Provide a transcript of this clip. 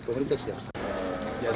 pemerintah siap saya rasa